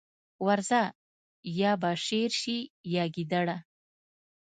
ورځه! يا به شېر شې يا ګيدړه.